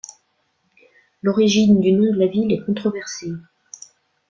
L'origine du nom de la ville est controversée.